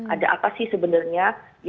ada apa sih sebenarnya